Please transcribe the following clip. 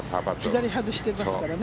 左外してますからね。